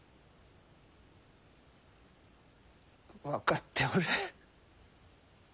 分かっておる。